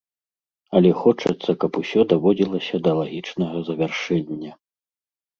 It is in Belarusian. Але хочацца, каб усё даводзілася да лагічнага завяршэння.